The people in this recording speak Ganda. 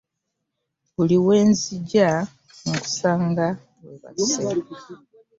Buli wenzijja nkusanga webaase.